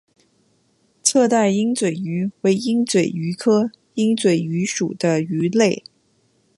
侧带鹦嘴鱼为鹦嘴鱼科鹦嘴鱼属的鱼类。